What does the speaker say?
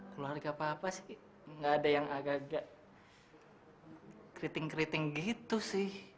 keluarga papa sih nggak ada yang agak agak keriting keriting gitu sih